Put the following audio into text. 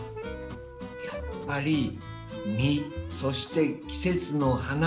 やっぱり、実そして季節の花